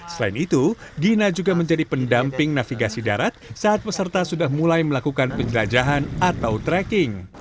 selain itu gina juga menjadi pendamping navigasi darat saat peserta sudah mulai melakukan penjelajahan atau trekking